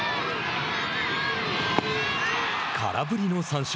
空振りの三振。